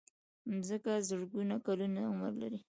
مځکه زرګونه کلونه عمر لري.